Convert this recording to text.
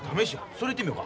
それいってみよか。